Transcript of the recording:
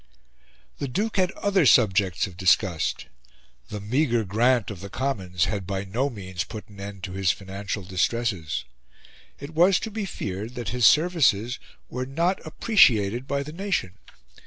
The Duke had other subjects of disgust. The meagre grant of the Commons had by no means put an end to his financial distresses. It was to be feared that his services were not appreciated by the nation.